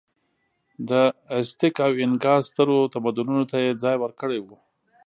د ازتېک او اینکا سترو تمدنونو ته یې ځای ورکړی و.